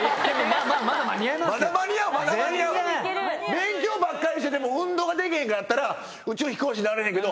勉強ばっかりしてても運動ができへんかったら宇宙飛行士になれへんけど。